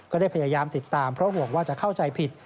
ก็ได้พยายามติดตามเพราะห่วงว่าจะเข้าใจผิด